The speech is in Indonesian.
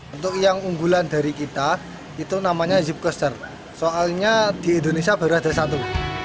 untuk yang unggulan dari kita itu namanya zip coaster soalnya di indonesia baru ada satu